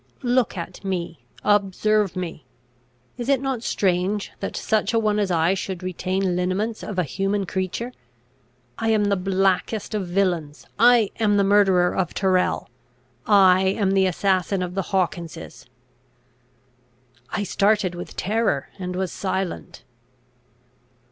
"Look at me. Observe me. Is it not strange that such a one as I should retain lineaments of a human creature? I am the blackest of villains. I am the murderer of Tyrrel. I am the assassin of the Hawkinses." I started with terror, and was silent.